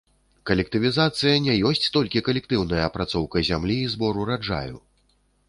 Калектывізацыя не ёсць толькі калектыўная апрацоўка зямлі і збор ураджаю.